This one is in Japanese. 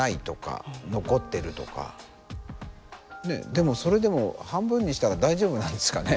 でもそれでも半分にしたら大丈夫なんですかね。